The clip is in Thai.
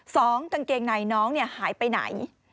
กางเกงในน้องหายไปไหน